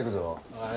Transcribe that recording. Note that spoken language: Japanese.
はい。